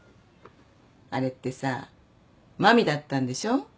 あれってさぁ麻美だったんでしょ？